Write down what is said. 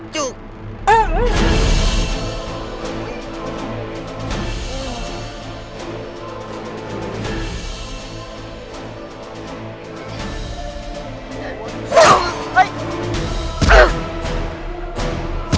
จุ๊บ